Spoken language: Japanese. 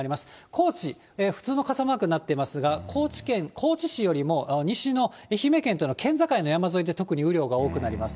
高知、普通の傘マークになっていますが、高知県高知市よりも西の愛媛県との県境の山沿いで特に雨量が多くなります。